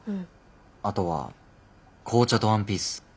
あとは紅茶とワンピース。